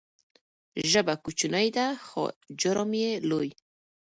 ژبه کوچنۍ ده خو جرم یې لوی.